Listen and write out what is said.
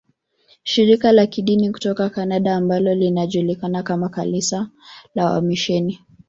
Shirika la Kidini kutoka Canada ambalo lilijulikana kama kanisa la wamisheni